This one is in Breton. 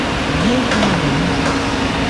Diank eo ma malizenn.